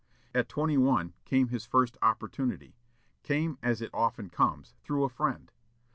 At twenty one came his first opportunity; came, as it often comes, through a friend.